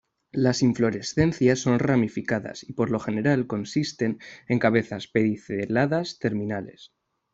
Las inflorescencias son ramificadas y por lo general consisten en cabezas pediceladas terminales.